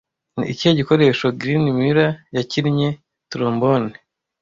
Ni ikihe gikoresho Glen Miller yakinnye Trombone